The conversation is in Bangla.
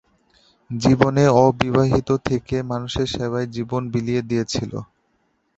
জীবনে অবিবাহিত থেকে মানুষের সেবায় জীবন বিলিয়ে দিয়েছেন।